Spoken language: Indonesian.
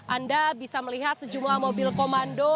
anda bisa melihat sejumlah mobil komando